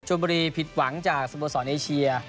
จุดบุรีผิดหวังจากสมุทรศรในเชีย